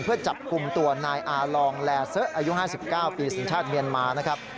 เพื่อจับกลุ่มตัวนายอาลองแลเซอะอายุ๕๙ปีสัญชาติเมียนมานะครับ